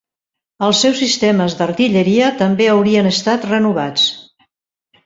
Els seus sistemes d'artilleria també haurien estat renovats.